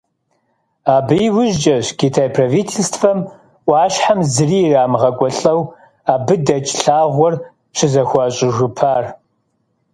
Абы иужькӀэщ Китай правительствэм Ӏуащхьэм зыри ирамыгъэкӀуалӀэу, абы дэкӀ лъагъуэр щызэхуащӀыжыпар.